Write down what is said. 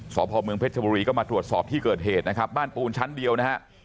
สพเมืองเพชรชบุรีก็มาตรวจสอบที่เกิดเหตุนะครับบ้านปูนชั้นเดียวนะฮะ